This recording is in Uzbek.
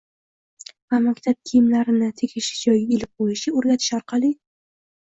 va maktab kiyimlarini tegishli joyga ilib qo‘yishga o‘rgatish orqali